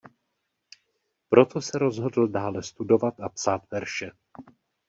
Proto se rozhodl dále studovat a psát verše.